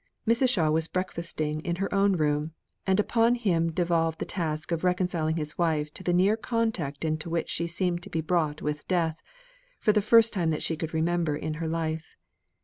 Mrs. Shaw was breakfasting in her own room, and upon him devolved the task of reconciling his wife to the near contact into which she seemed to be brought with death, for the first time that she could remember in her life.